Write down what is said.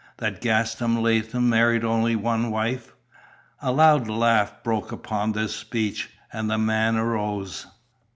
That Gaston Latham married only one wife?" A loud laugh broke upon this speech, and the man arose.